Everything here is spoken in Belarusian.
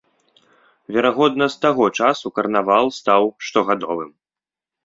Верагодна з таго часу карнавал стаў штогадовым.